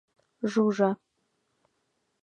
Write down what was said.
Жужа...